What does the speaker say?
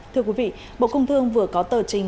thưa quý vị bộ công thương vừa có tờ trình